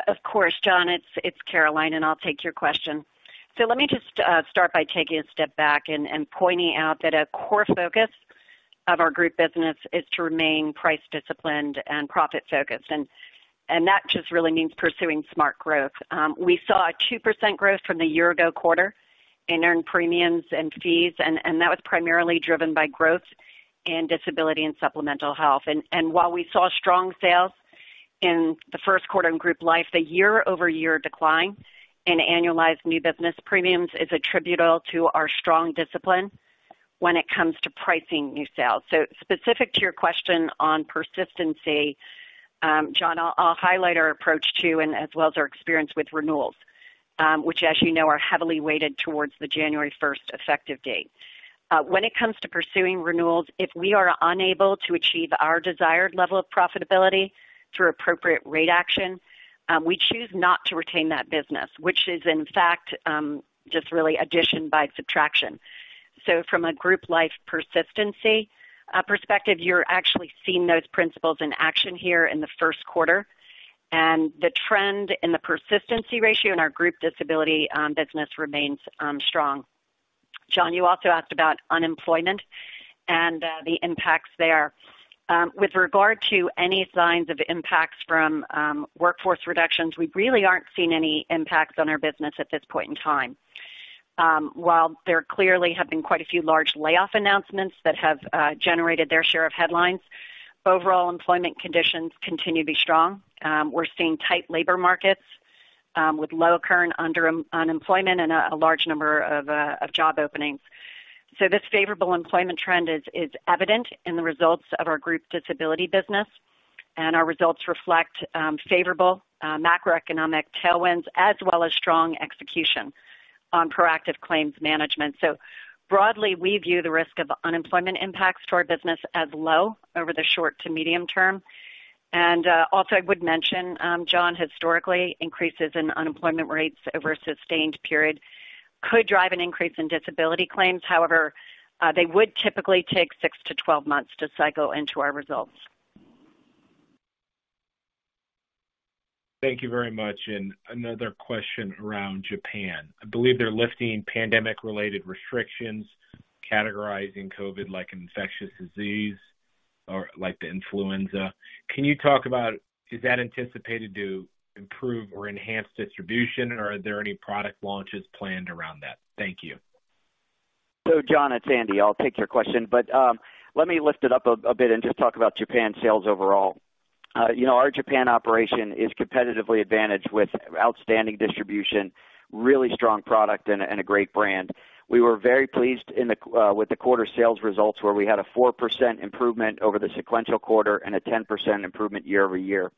Of course, John. It's Caroline, I'll take your question. Let me just start by taking a step back and pointing out that a core focus of our group business is to remain price disciplined and profit focused. That just really means pursuing smart growth. We saw a 2% growth from the year-ago quarter in earned premiums and fees, and that was primarily driven by growth in disability and supplemental health. While we saw strong sales in the first quarter in group life, the year-over-year decline in annualized new business premiums is attributable to our strong discipline when it comes to pricing new sales. Specific to your question on persistency, John, I'll highlight our approach to and as well as our experience with renewals, which as you know, are heavily weighted towards the January first effective date. When it comes to pursuing renewals, if we are unable to achieve our desired level of profitability through appropriate rate action, we choose not to retain that business, which is, in fact, just really addition by subtraction. From a group life persistency perspective, you're actually seeing those principles in action here in the first quarter. The trend in the persistency ratio in our group disability business remains strong. John, you also asked about unemployment and the impacts there. With regard to any signs of impacts from workforce reductions, we really aren't seeing any impacts on our business at this point in time. While there clearly have been quite a few large layoff announcements that have generated their share of headlines, overall employment conditions continue to be strong. We're seeing tight labor markets with low current unemployment and a large number of job openings. This favorable employment trend is evident in the results of our group disability business, and our results reflect favorable macroeconomic tailwinds as well as strong execution on proactive claims management. Broadly, we view the risk of unemployment impacts to our business as low over the short to medium term. Also, I would mention, John, historically, increases in unemployment rates over a sustained period could drive an increase in disability claims. However, they would typically take six to 12 months to cycle into our results. Thank you very much. Another question around Japan. I believe they're lifting pandemic-related restrictions categorizing COVID like infectious disease or like the influenza. Can you talk about is that anticipated to improve or enhance distribution, or are there any product launches planned around that? Thank you. John, it's Andy. I'll take your question, but let me lift it up a bit and just talk about Japan sales overall. You know, our Japan operation is competitively advantaged with outstanding distribution, really strong product, and a great brand. We were very pleased in the with the quarter sales results, where we had a 4% improvement over the sequential quarter and a 10% improvement year-over-year.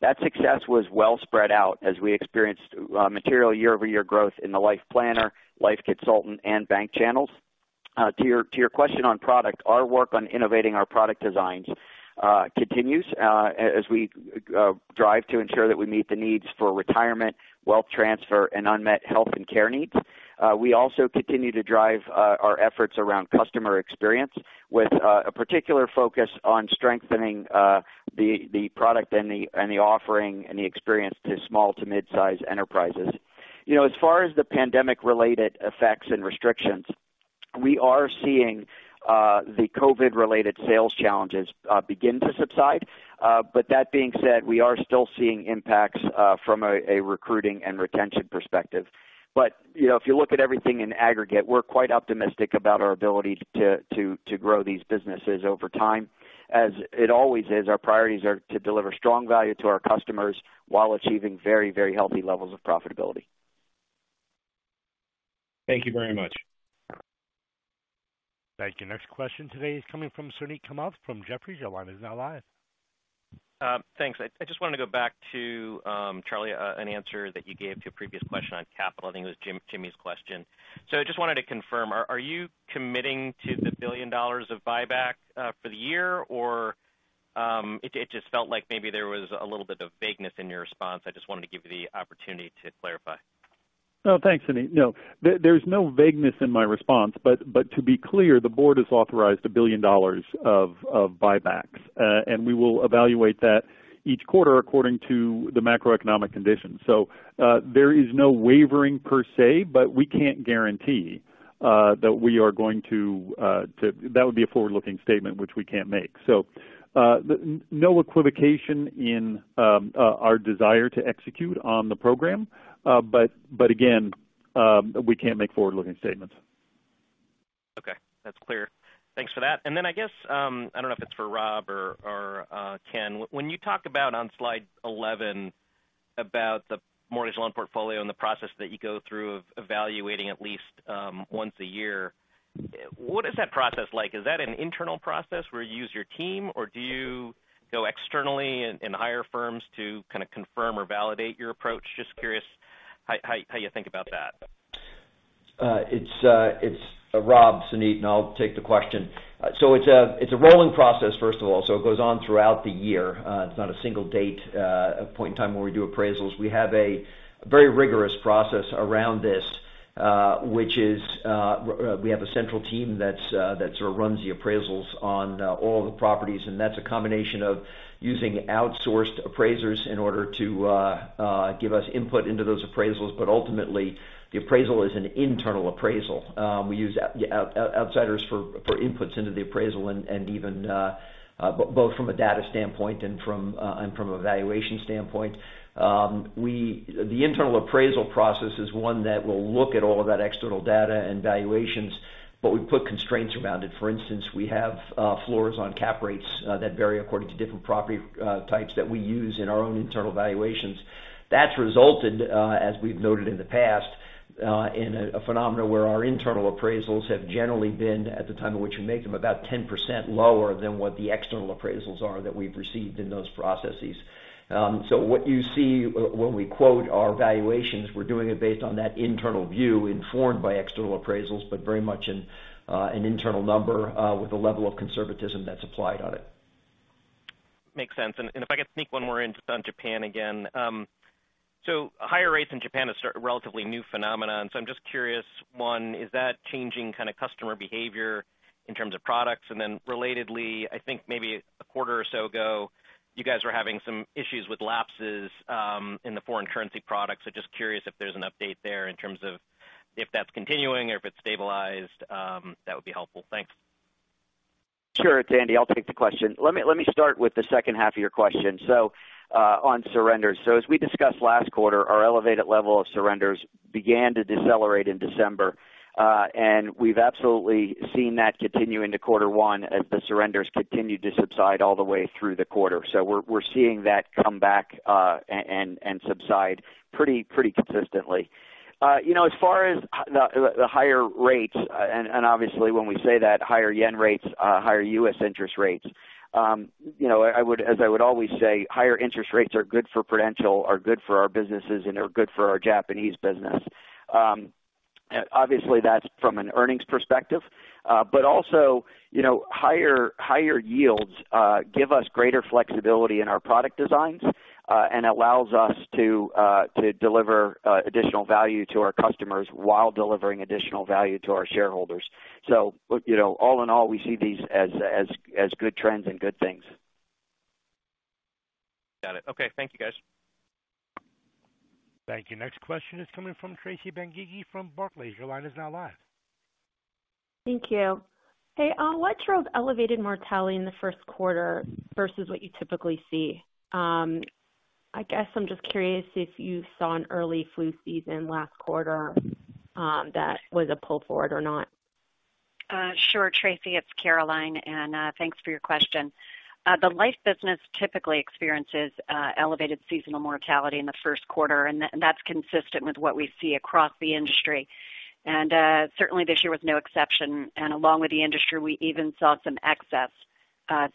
That success was well spread out as we experienced material year-over-year growth in the life planner, life consultant, and bank channels. To your question on product, our work on innovating our product designs continues as we drive to ensure that we meet the needs for retirement, wealth transfer, and unmet health and care needs. We also continue to drive our efforts around customer experience with a particular focus on strengthening the product and the offering and the experience to small to mid-size enterprises. You know, as far as the pandemic related effects and restrictions, we are seeing the COVID related sales challenges begin to subside. That being said, we are still seeing impacts from a recruiting and retention perspective. You know, if you look at everything in aggregate, we're quite optimistic about our ability to grow these businesses over time. As it always is, our priorities are to deliver strong value to our customers while achieving very, very healthy levels of profitability. Thank you very much. Thank you. Next question today is coming from Suneet Kamath from Jefferies. Your line is now live. Thanks. I just wanted to go back to Charlie, an answer that you gave to a previous question on capital. I think it was Jimmy's question. I just wanted to confirm, are you committing to the $1 billion of buyback for the year? Or, it just felt like maybe there was a little bit of vagueness in your response. I just wanted to give you the opportunity to clarify. No, thanks, Suneet. No, there's no vagueness in my response. To be clear, the board has authorized $1 billion of buybacks. We will evaluate that each quarter according to the macroeconomic conditions. There is no wavering per se, but we can't guarantee that we are going to. That would be a forward-looking statement which we can't make. No equivocation in our desire to execute on the program. Again, we can't make forward-looking statements. That's clear. Thanks for that. I guess, I don't know if it's for Rob or Ken. When you talk about on slide 11 about the mortgage loan portfolio and the process that you go through of evaluating at least, once a year, what is that process like? Is that an internal process where you use your team, or do you go externally and hire firms to kind of confirm or validate your approach? Just curious how you think about that. It's Rob, Suneet, and I'll take the question. It's a rolling process, first of all. It goes on throughout the year. It's not a single date, a point in time where we do appraisals. We have a very rigorous process around this, which is, we have a central team that sort of runs the appraisals on all the properties, and that's a combination of using outsourced appraisers in order to give us input into those appraisals. Ultimately, the appraisal is an internal appraisal. We use outsiders for inputs into the appraisal and even both from a data standpoint and from a valuation standpoint. The internal appraisal process is one that will look at all of that external data and valuations, but we put constraints around it. For instance, we have floors on cap rates that vary according to different property types that we use in our own internal valuations. That's resulted, as we've noted in the past, in a phenomena where our internal appraisals have generally been at the time at which we make them about 10% lower than what the external appraisals are that we've received in those processes. What you see when we quote our valuations, we're doing it based on that internal view informed by external appraisals, but very much an internal number with the level of conservatism that's applied on it. Makes sense. If I could sneak one more in just on Japan again. Higher rates in Japan is sort of a relatively new phenomenon. I'm just curious, one, is that changing kind of customer behavior in terms of products? Relatedly, I think maybe a quarter or so ago, you guys were having some issues with lapses in the foreign currency products. Just curious if there's an update there in terms of if that's continuing or if it's stabilized, that would be helpful. Thanks. Sure, it's Andy. I'll take the question. Let me start with the second half of your question. On surrenders. As we discussed last quarter, our elevated level of surrenders began to decelerate in December. And we've absolutely seen that continue into quarter one as the surrenders continued to subside all the way through the quarter. We're seeing that come back and subside pretty consistently. You know, as far as the higher rates, and obviously when we say that higher Japanese Yen rates, higher U.S. interest rates, you know, as I would always say, higher interest rates are good for Prudential, are good for our businesses, and they're good for our Japanese business. Obviously, that's from an earnings perspective. You know, higher yields give us greater flexibility in our product designs and allows us to deliver additional value to our customers while delivering additional value to our shareholders. So, you know, all in all, we see these as good trends and good things. Got it. Okay. Thank you, guys. Thank you. Next question is coming from Tracy Benguigui from Barclays. Your line is now live. Thank you. Hey, what drove elevated mortality in the first quarter versus what you typically see? I guess I'm just curious if you saw an early flu season last quarter, that was a pull forward or not. Sure, Tracy. It's Caroline, thanks for your question. The life business typically experiences elevated seasonal mortality in the first quarter, and that's consistent with what we see across the industry. Certainly this year was no exception, and along with the industry, we even saw some excess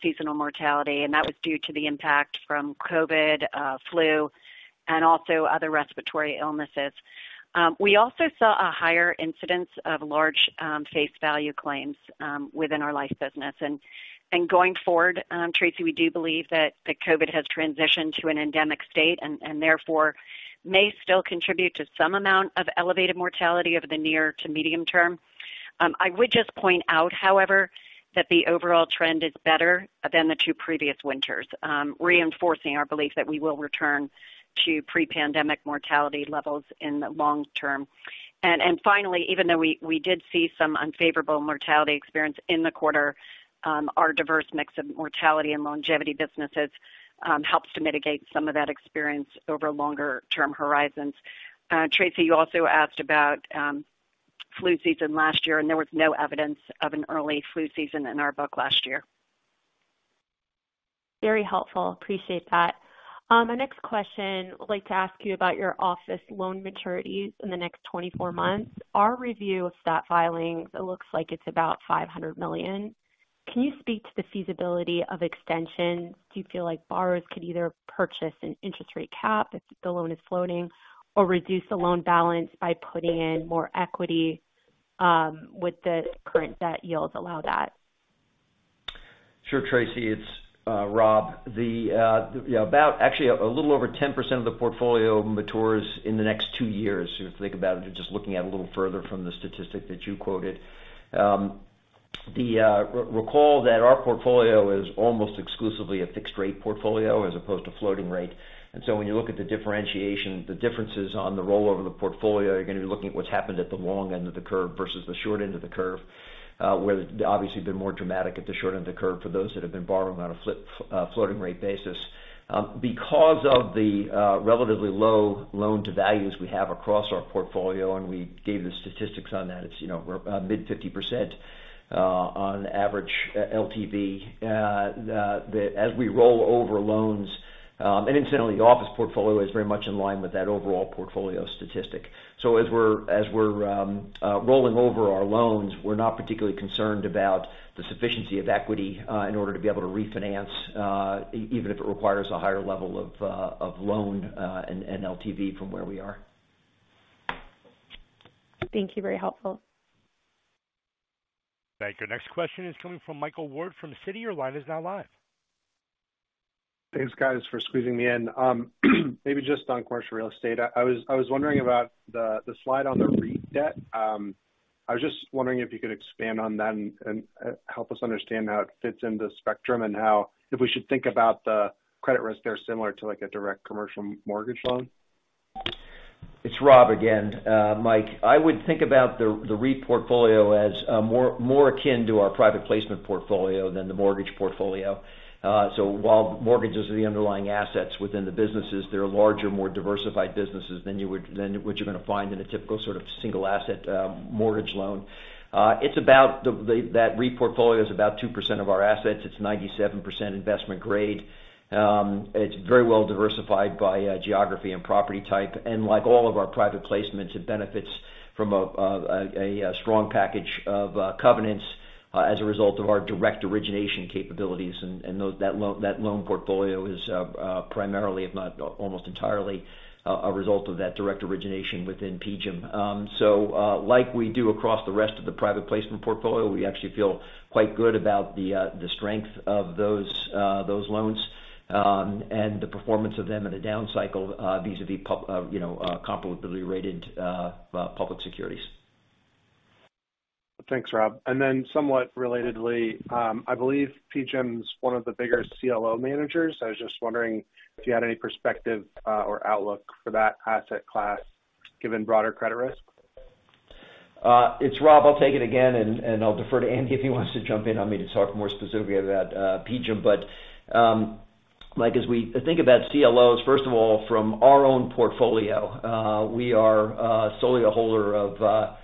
seasonal mortality, and that was due to the impact from COVID, flu, and also other respiratory illnesses. We also saw a higher incidence of large face value claims within our life business. And going forward, Tracy, we do believe that COVID has transitioned to an endemic state and therefore may still contribute to some amount of elevated mortality over the near to medium term. I would just point out, however, that the overall trend is better than the two previous winters, reinforcing our belief that we will return to pre-pandemic mortality levels in the long term. Finally, even though we did see some unfavorable mortality experience in the quarter, our diverse mix of mortality and longevity businesses helps to mitigate some of that experience over longer term horizons. Tracy, you also asked about flu season last year, there was no evidence of an early flu season in our book last year. Very helpful. Appreciate that. My next question, I'd like to ask you about your office loan maturities in the next 24 months. Our review of stat filings, it looks like it's about $500 million. Can you speak to the feasibility of extensions? Do you feel like borrowers could either purchase an interest rate cap if the loan is floating or reduce the loan balance by putting in more equity, would the current debt yields allow that? Sure, Tracy, it's Rob. Actually a little over 10% of the portfolio matures in the next two years. If you think about it, just looking at a little further from the statistic that you quoted. Recall that our portfolio is almost exclusively a fixed rate portfolio as opposed to floating rate. When you look at the differentiation, the differences on the rollover of the portfolio, you're going to be looking at what's happened at the long end of the curve versus the short end of the curve, where obviously been more dramatic at the short end of the curve for those that have been borrowing on a floating rate basis. Because of the relatively low loan-to-values we have across our portfolio, and we gave the statistics on that, it's, you know, we're mid-50% on average LTV, that as we roll over loans. And incidentally, the office portfolio is very much in line with that overall portfolio statistic. As we're rolling over our loans, we're not particularly concerned about the sufficiency of equity in order to be able to refinance, even if it requires a higher level of loan and LTV from where we are. Thank you. Very helpful. Thank you. Next question is coming from Michael Ward from Citi. Your line is now live. Thanks, guys, for squeezing me in. Maybe just on commercial real estate. I was wondering about the slide on the REIT debt. I was just wondering if you could expand on that and help us understand how it fits in the spectrum and how. If we should think about the credit risk there similar to, like, a direct commercial mortgage loan. It's Rob again. Mike, I would think about the REIT portfolio as more akin to our private placement portfolio than the mortgage portfolio. While mortgages are the underlying assets within the businesses, they're larger, more diversified businesses than what you're gonna find in a typical sort of single asset, mortgage loan. That REIT portfolio is about 2% of our assets. It's 97% investment grade. It's very well diversified by geography and property type. Like all of our private placements, it benefits from a strong package of covenants as a result of our direct origination capabilities and that loan portfolio is primarily, if not almost entirely a result of that direct origination within PGIM. Like we do across the rest of the private placement portfolio, we actually feel quite good about the strength of those loans, and the performance of them in a down cycle, vis-à-vis pub, you know, comparably rated public securities. Thanks, Rob. Somewhat relatedly, I believe PGIM is one of the bigger CLO managers. I was just wondering if you had any perspective or outlook for that asset class given broader credit risk. It's Rob. I'll take it again, and I'll defer to Andy if he wants to jump in on me to talk more specifically about PGIM. Mike, as we think about CLOs, first of all, from our own portfolio, we are solely a holder of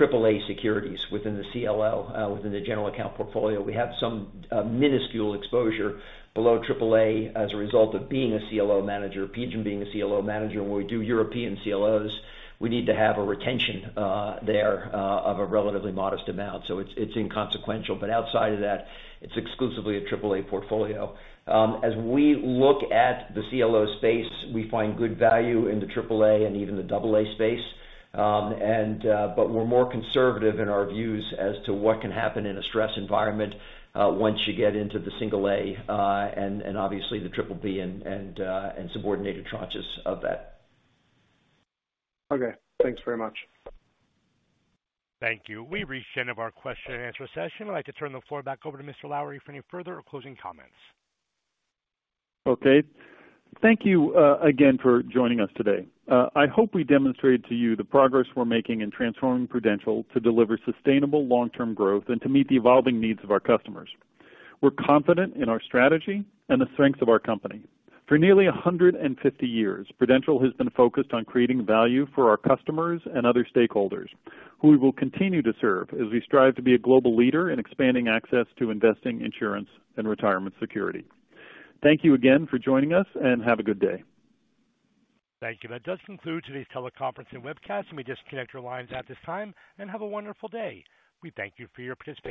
AAA securities within the CLO, within the general account portfolio. We have some minuscule exposure below AAA as a result of being a CLO manager, PGIM being a CLO manager, where we do European CLOs. We need to have a retention there of a relatively modest amount, so it's inconsequential. Outside of that, it's exclusively a AAA portfolio. As we look at the CLO space, we find good value in the AAA and even the AA space. We're more conservative in our views as to what can happen in a stress environment, once you get into the single A, and obviously the BBB and subordinated tranches of that. Okay, thanks very much. Thank you. We've reached the end of our question and answer session. I'd like to turn the floor back over to Mr. Lowrey for any further closing comments. Okay. Thank you again for joining us today. I hope we demonstrated to you the progress we're making in transforming Prudential to deliver sustainable long-term growth and to meet the evolving needs of our customers. We're confident in our strategy and the strength of our company. For nearly 150 years, Prudential has been focused on creating value for our customers and other stakeholders, who we will continue to serve as we strive to be a global leader in expanding access to investing, insurance, and retirement security. Thank you again for joining us. Have a good day. Thank you. That does conclude today's teleconference and webcast. Let me disconnect your lines at this time, and have a wonderful day. We thank you for your participation.